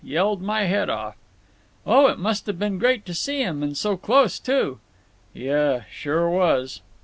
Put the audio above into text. Yelled my head off." "Oh, it must have been great to see 'em, and so close, too." "Yuh—it sure was."